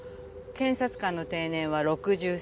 検察官の定年は６３。